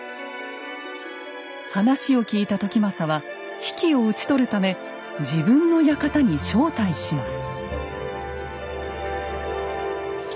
話を聞いた時政は比企を討ち取るため自分の館に招待します。